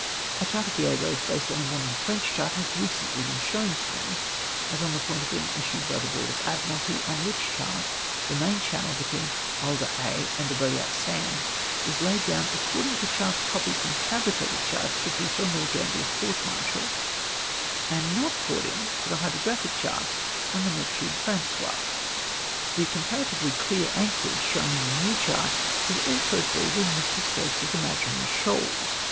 A chart of the Aix Eoads based on a modern French chart has recently been shown me, as on the point of being issued by the Board of Admiralty, on which chart the main channel between He d'Aix and the Boyart sand is laid down according to charts copied from fabricated charts produced on Lord Gambler's coiul martial, and not according to the hydrographic charts of the Neptune Francois. The comparatively clear anchorage shown in the new chart is also filled with ]\Ii\ Stokes's imaginary shoals